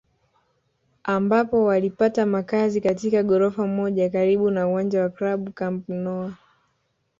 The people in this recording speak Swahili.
ambapo walipata makazi katika ghorofa moja karibu na uwanja wa klabu Camp Nou